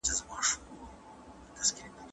موږ لا د «تور» له توره نهشو وتی